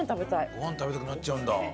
ご飯食べたくなっちゃうんだ。